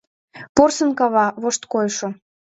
Порсын кава — вошткойшо.